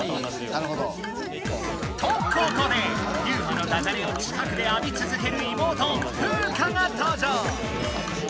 なるほど。とここでユウマのダジャレを近くであびつづける妹フウカがとう場！